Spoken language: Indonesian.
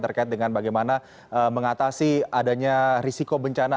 terkait dengan bagaimana mengatasi adanya risiko bencana